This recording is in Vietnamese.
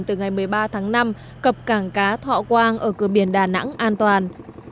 từ ngày một mươi ba tháng năm cập cảng cá thọ quang ở cửa biển đà nẵng an toàn